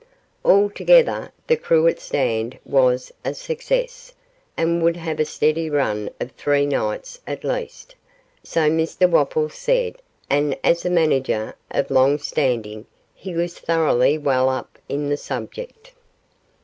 Altogether 'The Cruet Stand' was a success, and would have a steady run of three nights at least, so Mr Wopples said and as a manager of long standing, he was thoroughly well up in the subject.